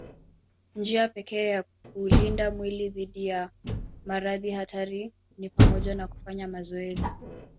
Njia pekee ya kuulinda mwili dhidi ya maradhi hatari ni pamoja na kufanya mazoezi